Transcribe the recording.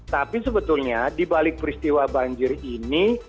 tapi sebetulnya di balik peristiwa banjir ini